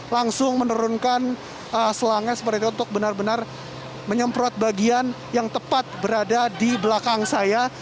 langsung menurunkan selangnya seperti itu untuk benar benar menyemprot bagian yang tepat berada di belakang saya